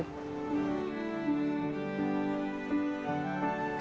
apa yang terjadi saat kamu tidur